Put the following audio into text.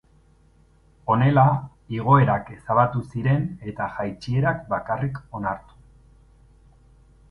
Honela, igoerak ezabatu ziren eta jaitsierak bakarrik onartu.